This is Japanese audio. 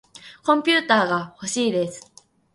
コンピューターがほしいです。